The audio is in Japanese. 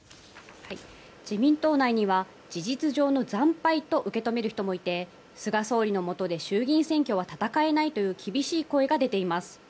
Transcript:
自民党内には事実上の惨敗と受け止める人もいて菅総理のもとで衆議院選挙は戦えないという厳しい声が出ています。